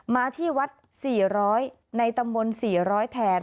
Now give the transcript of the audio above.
มาที่วัด๔๐๐ในตำบล๔๐๐แทน